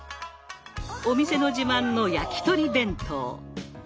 お店の自慢の焼き鳥弁当。